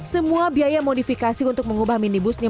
semua biaya modifikasi untuk mengubah minibusnya